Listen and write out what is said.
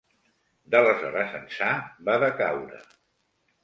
D'aleshores ençà va decaure.